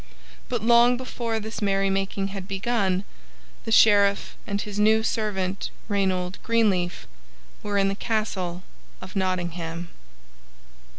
But long before this merrymaking had begun, the Sheriff and his new servant Reynold Greenleaf were in the Castle of Nottingham.